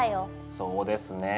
そうですね。